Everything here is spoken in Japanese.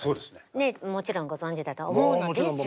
もちろんご存じだとは思うのですが。